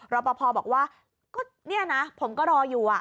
รอปภบอกว่าก็เนี่ยนะผมก็รออยู่